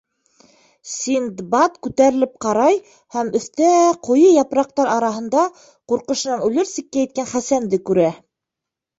Синдбад күтәрелеп ҡарай һәм өҫтә ҡуйы япраҡтар араһында ҡурҡышынан үлер сиккә еткән Хәсәнде күрә.